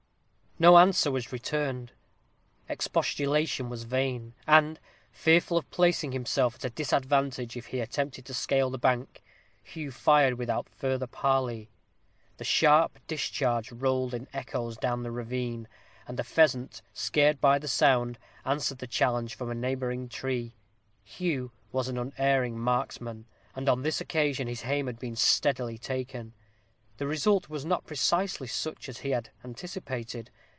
No answer was returned: expostulation was vain; and, fearful of placing himself at a disadvantage if he attempted to scale the bank, Hugh fired without further parley. The sharp discharge rolled in echoes down the ravine, and a pheasant, scared by the sound, answered the challenge from a neighboring tree. Hugh was an unerring marksman, and on this occasion his aim had been steadily taken. The result was not precisely such as he had anticipated.